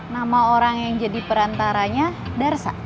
nama orang yang jadi perantaranya darsa